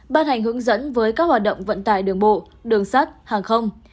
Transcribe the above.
ban hành hướng dẫn với các hoạt động vận tải đường bộ đường sắt hàng không